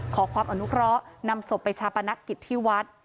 ขอความอนุเคราะห์นำศพไปชาปนกิจที่วัด